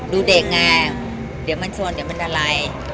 ดูเด็กไงเดี๋ยวมันชวนเดี๋ยวมันอะไร